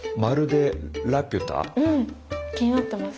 気になってます。